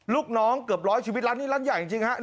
ลูกน้องเกือบร้อยชีวิตร้านนี้ร้านใหญ่จริงครับ